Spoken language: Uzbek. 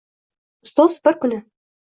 Ustoz bir kuni: